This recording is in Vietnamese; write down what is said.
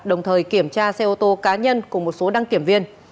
đồng thời kiểm tra xe ô tô cá nhân cùng một số đăng kiểm viên